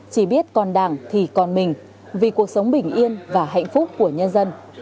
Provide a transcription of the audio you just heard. chỉ biết còn đảng thì còn mình vì cuộc sống bình yên và hạnh phúc của nhân dân